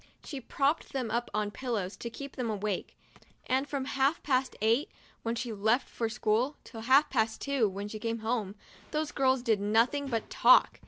She propped them up on pillows, to keep them awake, and from half past eight, when she left for school, till half past two, when she came home, those girls did nothing but talk.